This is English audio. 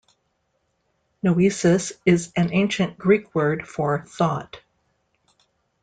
"Noesis" is an Ancient Greek word for "thought".